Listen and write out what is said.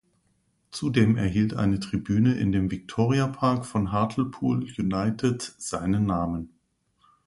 Zudem erhielt eine Tribüne in dem Victoria Park von Hartlepool United seinen Namen.